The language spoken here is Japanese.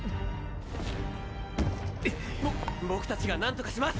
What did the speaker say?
ぼ僕たちが何とかします！